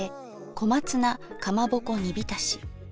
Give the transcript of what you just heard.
小松菜かまぼこ煮浸し。